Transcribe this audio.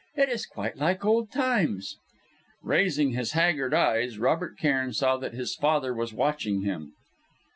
It is quite like old times...." Raising his haggard eyes, Robert Cairn saw that his father was watching him.